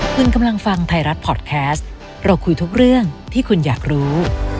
คุณกำลังฟังไทยรัฐพอร์ตแคสต์เราคุยทุกเรื่องที่คุณอยากรู้